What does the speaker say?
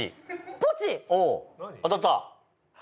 当たった？